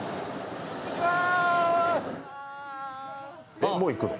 えっ、もう行くの？